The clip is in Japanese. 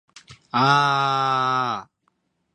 あああああああああああ